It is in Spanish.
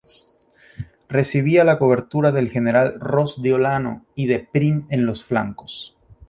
Recibía la cobertura del general Ros de Olano y de Prim en los flancos.